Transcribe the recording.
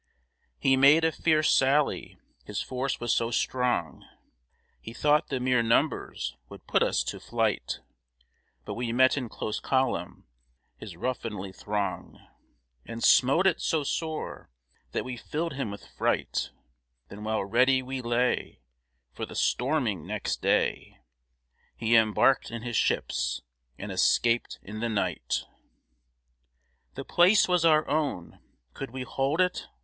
He made a fierce sally, his force was so strong He thought the mere numbers would put us to flight, But we met in close column his ruffianly throng, And smote it so sore that we filled him with fright; Then while ready we lay For the storming next day, He embarked in his ships, and escaped in the night. The place was our own; could we hold it?